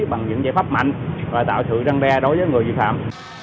bằng những giải pháp mạnh và tạo sự răng đe đối với người vi phạm